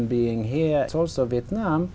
và quốc gia quốc gia việt nam